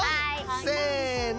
せの。